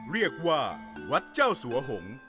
เรียกว่าวัดเจ้าสัวหงษ์